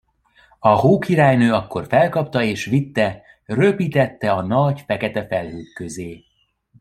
A Hókirálynő akkor felkapta és vitte, röpítette a nagy, fekete felhők közé.